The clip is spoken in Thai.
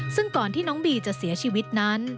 ซึ่งก่อนที่น้องบีจะเสียชีวิตนั้น